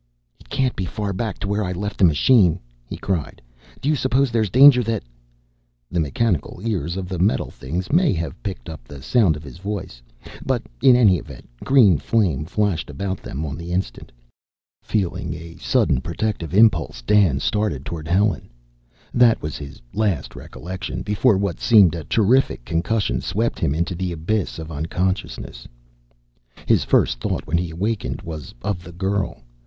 "It can't be far back to where I left the machine," he cried. "Do you suppose there's danger that " The mechanical ears of the metal things may have picked up the sound of his voice: but in any event, green flame flashed about them on the instant. Feeling a sudden protective impulse, Dan started toward Helen. That was his last recollection, before what seemed a terrific concussion swept him into the abyss of unconsciousness.... His first thought, when he awakened, was of the girl.